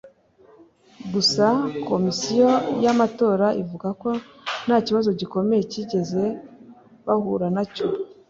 Gusa Komisiyo y’amatora ivuga ko nta kibazo gikomeye bigeze bahura na cyo